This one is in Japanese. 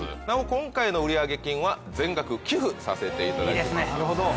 なお今回の売上金は全額寄付させていただきます。